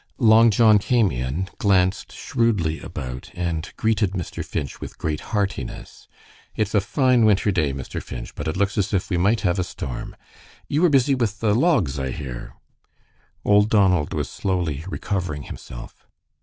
Long John came in, glanced shrewdly about, and greeted Mr. Finch with great heartiness. "It's a fine winter day, Mr. Finch, but it looks as if we might have a storm. You are busy with the logs, I hear." Old Donald was slowly recovering himself.